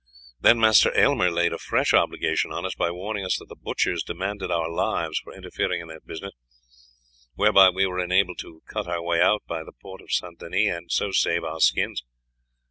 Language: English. Then Master Aylmer laid a fresh obligation on us by warning us that the butchers demanded our lives for interfering in that business, whereby we were enabled to cut our way out by the Port St. Denis and so save our skins.